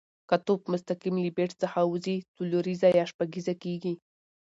که توپ مستقیم له بېټ څخه وځي، څلوریزه یا شپږیزه کیږي.